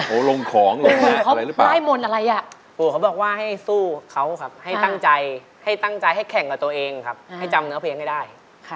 โอ้โหลงของเลยหรือเปล่าได้มนต์อะไรอ่ะโหเขาบอกว่าให้สู้เขาครับให้ตั้งใจให้ตั้งใจให้แข่งกับตัวเองครับให้จำเนื้อเพลงให้ได้